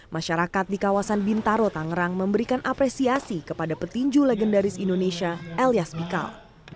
masyarakat di kawasan bintaro tangerang memberikan apresiasi kepada petinju legendaris indonesia elias bikal